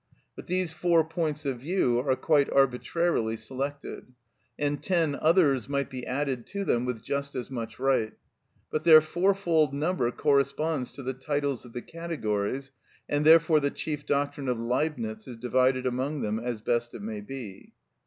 But these four points of view are quite arbitrarily selected, and ten others might be added to them with just as much right; but their fourfold number corresponds to the titles of the categories, and therefore the chief doctrine of Leibnitz is divided among them as best it may be.